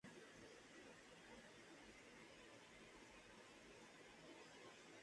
Es uno de los integrantes originales del grupo Los Trovadores.